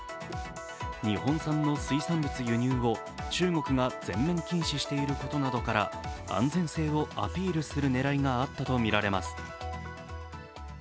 日本産の水産物輸入を中国が全面禁止していることなどから安全性をアピールする狙いがあったとみられます。